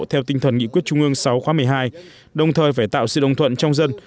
theo tinh thần nghị quyết trung ương sáu khóa một mươi hai đồng thời phải tạo sự đồng thuận trong dân